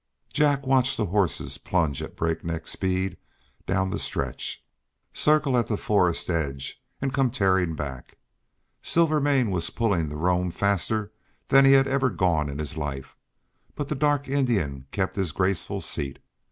Jack watched the horses plunge at breakneck speed down the stretch, circle at the forest edge, and come tearing back. Silvermane was pulling the roan faster than he had ever gone in his life, but the dark Indian kept his graceful seat.